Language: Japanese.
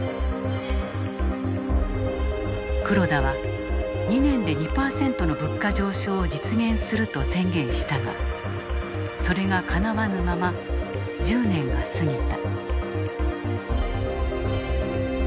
黒田は２年で２％の物価上昇を実現すると宣言したがそれがかなわぬまま１０年が過ぎた。